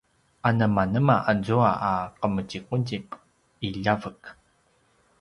anemanema azua a qemuzimuzip i ljavek?